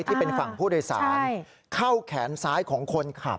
ที่เป็นฝั่งผู้โดยสารเข้าแขนซ้ายของคนขับ